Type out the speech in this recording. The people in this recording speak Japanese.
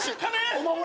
お守り。